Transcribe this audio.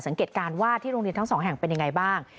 สังเกตการณ์ว่าที่โรงเรียนทั้งสองแห่งเป็นยังไงบ้าง